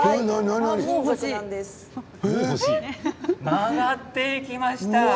曲がっていきました。